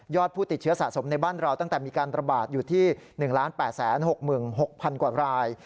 ผู้ติดเชื้อสะสมในบ้านเราตั้งแต่มีการระบาดอยู่ที่๑๘๖๖๐๐๐กว่าราย